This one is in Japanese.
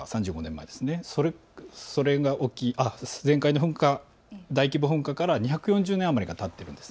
前回の大規模噴火から２４０年余りがたっているんです。